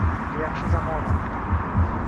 Yaxshi – zamona